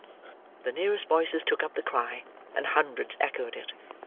The nearest voices took up the cry, and hundreds echoed it.